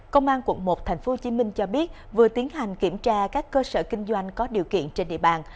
công an quận một tp hcm cho biết vừa tiến hành kiểm tra các cơ sở kinh doanh có điều kiện trên địa bàn